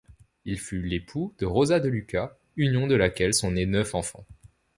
Il fut l'époux de Rosa de Luca, union de laquelle sont nés neuf enfants.